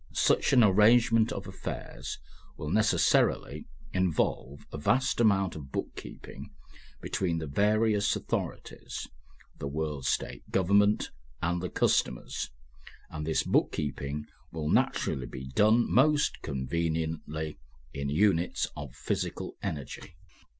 Such an arrangement of affairs will necessarily involve a vast amount of book keeping between the various authorities, the World State government and the customers, and this book keeping will naturally be done most conveniently in units of physical energy.